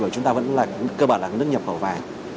chúng ta vẫn là cơ bản là nước nhập khẩu vàng